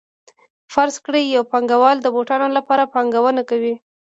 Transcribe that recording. فرض کړئ یو پانګوال د بوټانو لپاره پانګونه کوي